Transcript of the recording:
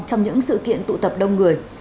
trong những sự kiện tụ tập đông người